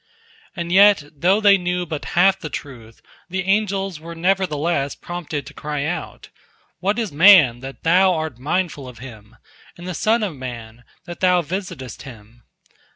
And yet, though they knew but half the truth, the angels were nevertheless prompted to cry out: "What is man, that Thou art mindful of him? And the son of man, that Thou visitest him?"